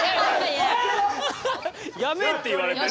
「やめ！」って言われてる。